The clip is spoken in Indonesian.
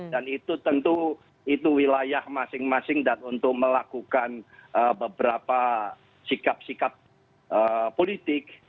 dan itu tentu itu wilayah masing masing dan untuk melakukan beberapa sikap sikap politik